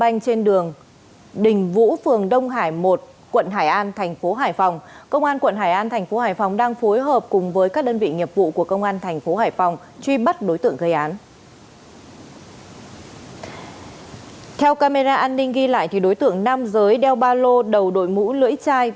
nên ra an ninh ghi lại thì đối tượng nam giới đeo ba lô đầu đổi mũ lưỡi chai